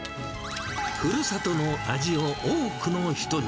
ふるさとの味を多くの人に。